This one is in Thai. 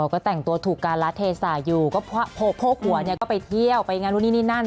ก็แต่งตัวถูกการละเทศาอยู่ก็โพกหัวเนี่ยก็ไปเที่ยวไปงานนู่นนี่นี่นั่น